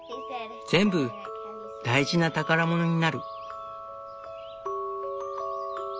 全部大事な宝物になる。